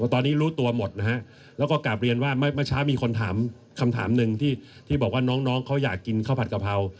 ตอนนี้รู้ตัวหมดนะฮะแล้วก็กลับเรียนว่าเมื่อเช้ามีคนถามคำถามหนึ่งที่บอกว่าน้องเขาอยากกินข้าวผัดกะเพรา